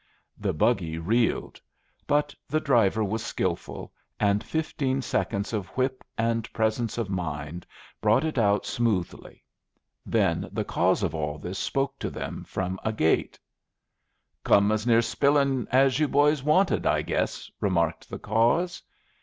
The buggy reeled; but the driver was skilful, and fifteen seconds of whip and presence of mind brought it out smoothly. Then the cause of all this spoke to them from a gate. "Come as near spillin' as you boys wanted, I guess," remarked the cause.